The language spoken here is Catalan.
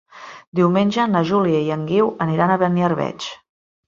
Diumenge na Júlia i en Guiu aniran a Beniarbeig.